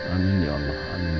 amin ya allah